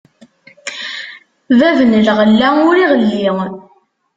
Bab n lɣella, ur iɣelli.